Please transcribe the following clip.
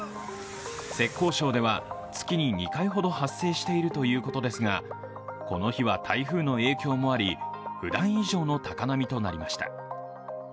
浙江省では、月に２回ほど発生しているということですが、この日は台風の影響もありふだん以上の高波となりました。